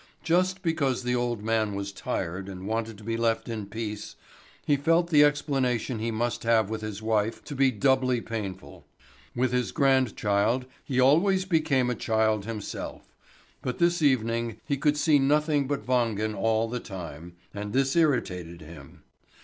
Just because the old man was tired and wanted to be left in peace, he felt the explanation he must have with his wife to be doubly painful. With his grandchild he always became a child himself; but this evening he could see nothing but Wangen all the time, and this irritated him.